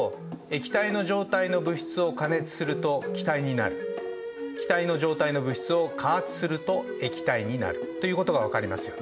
気体の状態の物質を加圧すると液体になるということが分かりますよね。